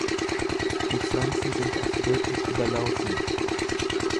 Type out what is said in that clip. Die Pflanzen sind oft rötlich überlaufen.